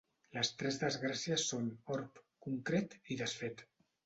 Les tres desgràcies són: orb, contret i desfet.